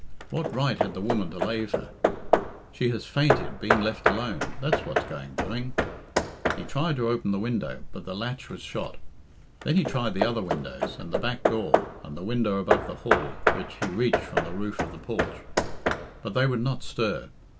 What right had the woman to lave her? She has fainted, being left alone; that's what's going doing." He tried to open the window, but the latch was shot. Then he tried the other windows, and the back door, and the window above the hall, which he reached from the roof of the porch; but they would not stir.